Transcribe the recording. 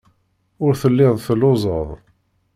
Ur telliḍ telluẓeḍ.